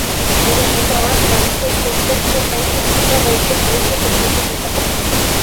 Будучи дипломатом, а не техническим экспертом, я, конечно, всегда горячо приветствую такие презентации.